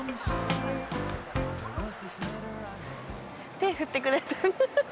手振ってくれてる。